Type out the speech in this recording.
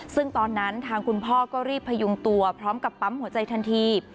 ซึ่งตอนนั้นทางคุณพ่อก็รีบพยุงตัวพร้อมกับปั๊มหัวใจทันที